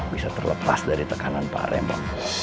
bisa terlepas dari tekanan pak rembang